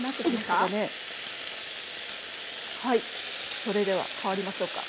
はいそれでは代わりましょうか。